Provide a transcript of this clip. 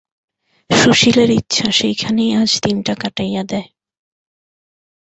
সুশীলের ইচ্ছা, সেইখানেই আজ দিনটা কাটাইয়া দেয়।